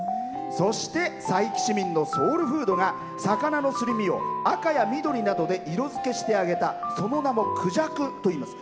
そして佐伯市民のソウルフードが魚のすり身を赤や緑などで色付けしてあげた、その名も「くじゃく」といいます。